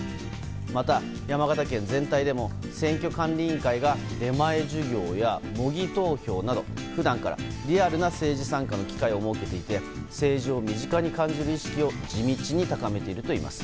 また、山形県全体でも選挙管理委員会が出前授業や模擬投票など、普段からリアルな政治参加の機会を設けていて政治を身近に感じる意識を地道に高めているといいます。